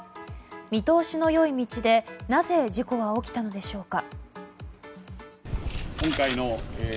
見通しの良い道でなぜ事故が起きたのでしょうか。